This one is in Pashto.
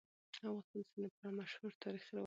افغانستان د سیندونه په اړه مشهور تاریخی روایتونه لري.